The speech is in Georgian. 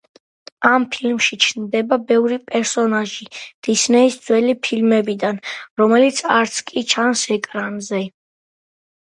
ამ ფილმში ჩნდება ბევრი პერსონაჟი დისნეის ძველი ფილმებიდან, რომელიც არც კი ჩანს ეკრანზე.